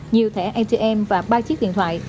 nhiều thẻ atm và ba chiếc điện thoại